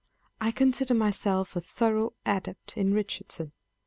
I consider myself a thorough adept in Richardson.